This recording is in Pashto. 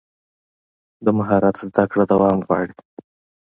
د مهارت زده کړه دوام غواړي.